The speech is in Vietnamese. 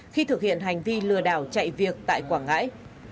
khi thực hiện hành vi lừa đảo chạy việc tại quảng ngãi